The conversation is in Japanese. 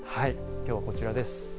きょうはこちらです。